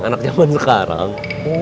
anak jaman sekarang